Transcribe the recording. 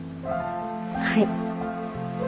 はい。